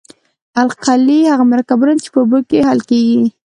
القلي هغه مرکبونه دي چې په اوبو کې حل کیږي.